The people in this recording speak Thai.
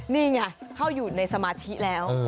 นี่ไงเข้าอยู่ในสมาธิแล้ว